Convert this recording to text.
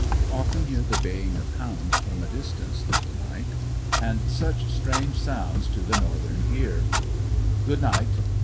Often hear the baying of hounds from a distance, through the night — and such strange sounds to the Northern ear. Good night.